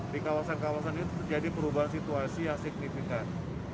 di kawasan kawasan itu terjadi perubahan situasi yang signifikan